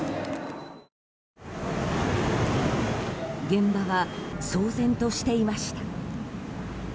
現場は騒然としていました。